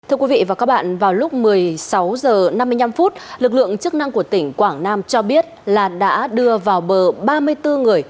thưa quý vị và các bạn vào lúc một mươi sáu h năm mươi năm lực lượng chức năng của tỉnh quảng nam cho biết là đã đưa vào bờ ba mươi bốn người